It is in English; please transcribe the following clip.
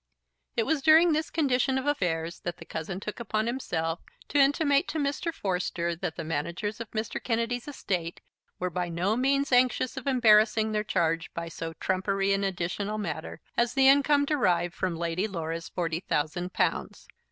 It was during this condition of affairs that the cousin took upon himself to intimate to Mr. Forster that the managers of Mr. Kennedy's estate were by no means anxious of embarrassing their charge by so trumpery an additional matter as the income derived from Lady Laura's forty thousand pounds.